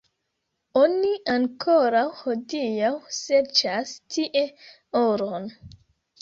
Oni ankoraŭ hodiaŭ serĉas tie oron.